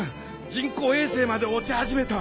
人工衛星まで落ち始めた！